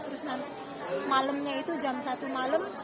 terus malamnya itu jam satu malam